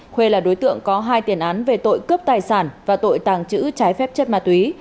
huê là đối tượng có hai tiền án về tội cướp tài sản và tội tàng trữ trái phép chất ma túy